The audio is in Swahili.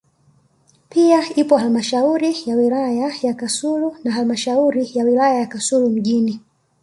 pia ipo halmashauri ya wilaya ya Kasulu na halmashauri ya wilaya ya Kasulu mjini